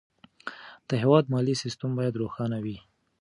د هېواد مالي سیستم باید روښانه وي.